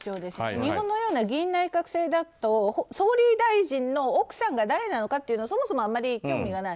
日本のような議院内閣制だと総理大臣の奥さんが誰なのかというのはそもそもあまり興味がない。